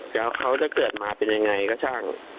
แล้วเขาจะเกิดมาเป็นยังไงก็ช่าง